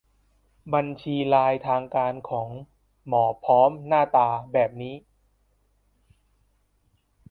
บัญชีไลน์ทางการของ หมอพร้อม หน้าตาแบบนี้